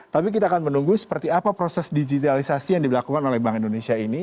tapi kita akan menunggu seperti apa proses digitalisasi yang dilakukan oleh bank indonesia ini